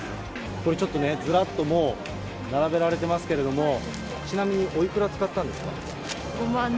これ、ちょっとね、ずらっともう、並べられてますけれども、ちなみにおいくら使ったんですか？